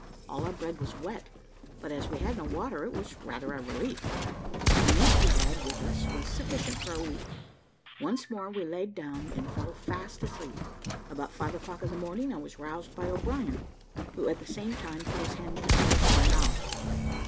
All our bread was wet, but as we had no water, it was rather a relief; the meat we had with us was sufficient for a week. Once more we laid down and fell fast asleep. About five o'clock in the morning I was roused by O'Brien, who at the same time put his hand gently over my mouth.